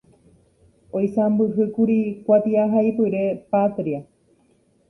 Oisãmbyhýkuri Kuatiahaipyre “Patria”.